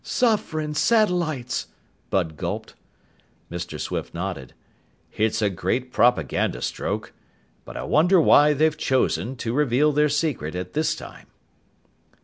"Sufferin' satellites!" Bud gulped. Mr. Swift nodded. "It's a great propaganda stroke. But I wonder why they've chosen to reveal their secret at this time."